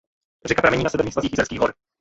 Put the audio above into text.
Řeka pramení na severních svazích Jizerských hor.